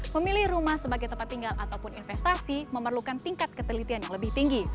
memilih rumah sebagai tempat tinggal ataupun investasi memerlukan tingkat ketelitian yang lebih tinggi